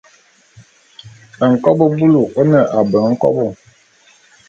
Nkobô bulu ô ne abeng nkobo.